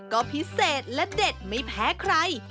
ก็พิเศษและเด็ดไม่แพ้ใคร